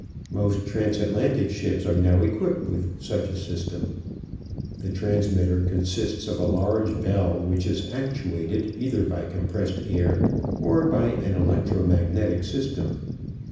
Most transatlantic ships are now equipped with such a system. The transmitter consists of a large bell which is actuated either by compressed air or by an electro magnetic system.